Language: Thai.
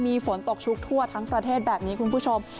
มีฝนตกชุกทั่วทั้งประเทศแบบนี้คุณผู้ชม